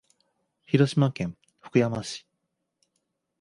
広島県福山市